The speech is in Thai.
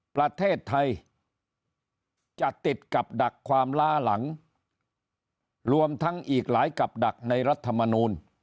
ประเทศไทยจะติดกับดักความล้าหลังรวมทั้งอีกหลายกับดักในรัฐมนูล